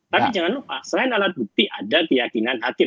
tapi jangan lupa selain alat bukti ada keyakinan hakim